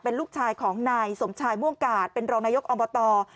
ลูกชายของนายสมชายม่วงกาศเป็นรองนายกอบต